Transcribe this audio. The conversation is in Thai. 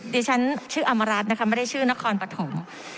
ดิฉันชื่ออมรัฐนะคะไม่ได้ชื่อนครปฐม